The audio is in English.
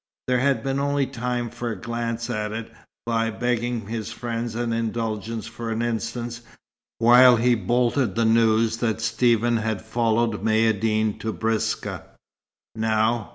There had been only time for a glance at it, by begging his friends' indulgence for an instant, while he bolted the news that Stephen had followed Maïeddine to Biskra.